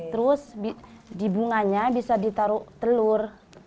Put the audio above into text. terus di bunganya bisa ditaruh telur